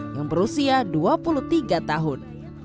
yang berusia dua puluh tiga tahun